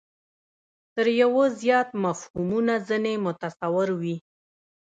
تر یوه زیات مفهومونه ځنې متصور وي.